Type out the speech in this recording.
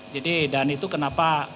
jadi dan itu kenapa